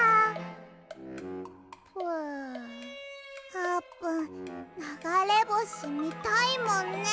あーぷんながれぼしみたいもんね。